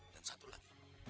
dan satu lagi